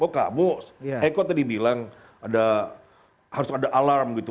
oh kak bu eko tadi bilang harus ada alarm gitu